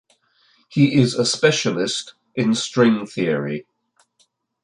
He is a specialist in string theory.